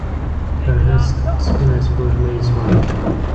پر هسک سپینه سپوږمۍ شوم